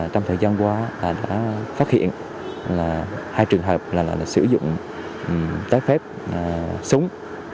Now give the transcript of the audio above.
trong thời gian qua đã phát hiện là hai trường hợp là sử dụng trái phép súng